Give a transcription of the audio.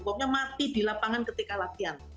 pokoknya mati di lapangan ketika latihan